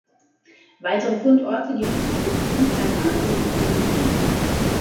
Weitere Fundorte gibt es in Ägypten, Kleinasien und Kolumbien.